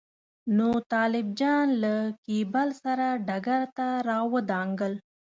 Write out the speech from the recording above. نو طالب جان له کېبل سره ډګر ته راودانګل.